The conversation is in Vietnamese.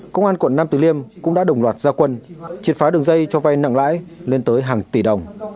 công an quận nam tử liêm cũng đã đồng loạt gia quân triệt phá đường dây cho vay nặng lãi lên tới hàng tỷ đồng